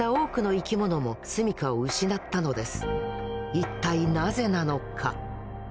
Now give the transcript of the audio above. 一体なぜなのか？